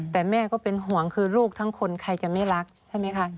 แต่แม่ก็เป็นห่วงคือลูกทั้งคนใครจะไม่รักใช่ไหมคะ